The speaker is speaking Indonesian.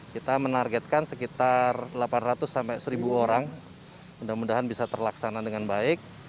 kita menargetkan sekitar delapan ratus sampai seribu orang mudah mudahan bisa terlaksana dengan baik